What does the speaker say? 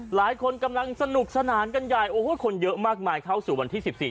หลายคนกำลังสนุกสนานกันใหญ่โอ้โหคนเยอะมากมายเข้าสู่วันที่สิบสี่